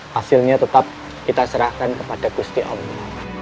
hasilnya tetap kita serahkan kepada gusti allah